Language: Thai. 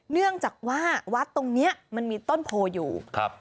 เนื่องจากว่าวัดตรงเนี้ยมันมีต้นโพอยู่ครับ